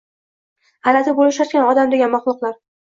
G‘alati bo‘lisharkan odam degan maxluqlar